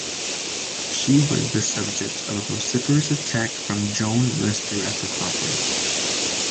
She was the subject of a vociferous attack from Joan Lestor at the conference.